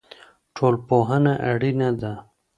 ټولنپوهنه اړینه ده.